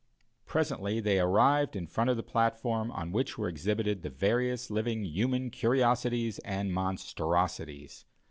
Presently they arrived in front of the platform on which were exhibited the various living human curiosities and monstrosities.